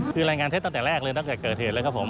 คือรายงานเท็จตั้งแต่แรกเลยตั้งแต่เกิดเหตุเลยครับผม